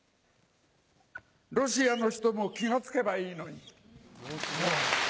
ロシアの人も気が付けばいいのに。